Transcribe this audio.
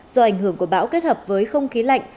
do ảnh hưởng của bão kết hợp với không khí lạnh